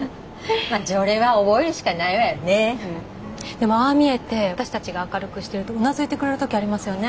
でもああ見えて私たちが明るくしてるとうなずいてくれる時ありますよね。